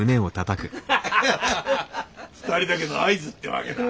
２人だけの合図ってわけだ。